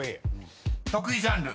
［得意ジャンル？］